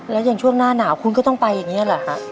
แล้วอย่างช่วงหน้าหนาวคุณก็ต้องไปอย่างนี้เหรอฮะ